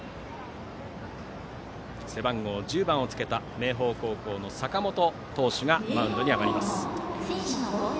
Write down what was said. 背番号１０番をつけた明豊高校の坂本投手がマウンドに上がります。